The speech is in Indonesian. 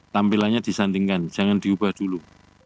tampilannya disandingkan jangan diubah dulu